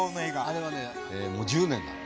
あれはねもう１０年になる。